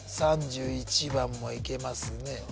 ３１番もいけますね